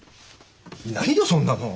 いないよそんなもん。